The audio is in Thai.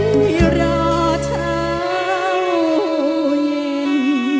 คุยราชาโอนิน